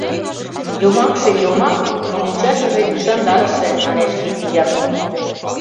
— Йомакше — йомак, но мучашыже ӱшандарыше, — манеш изи Якып.